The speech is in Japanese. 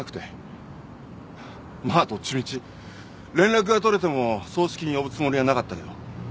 まあどっちみち連絡が取れても葬式に呼ぶつもりはなかったけど。